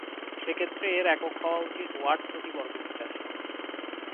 সেক্ষেত্রে এর একক হওয়া উচিত ওয়াট প্রতি বর্গমিটার।